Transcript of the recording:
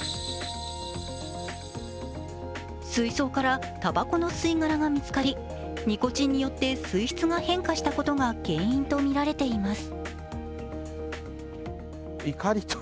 水槽からたばこの吸い殻が見つかり、ニコチンによって水質が変化したことが原因とみられています。